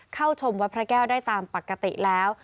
เข้าชมวัดพระแก้วได้ตามปกติแล้ว